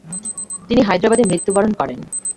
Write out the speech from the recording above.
তিনি হায়দ্রাবাদে মৃত্যুবরণ করেন।